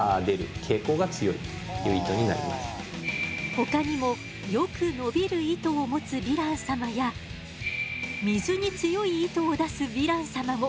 ほかにもよく伸びる糸を持つヴィラン様や水に強い糸を出すヴィラン様も。